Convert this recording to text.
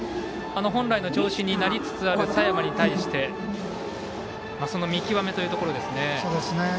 本来の調子になりつつある佐山に対してその見極めというところですね。